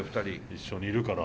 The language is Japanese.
一緒にいるから。